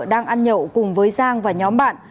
đang ăn nhậu cùng với giang và nhóm bạn